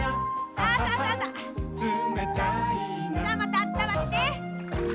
さあまたあったまって。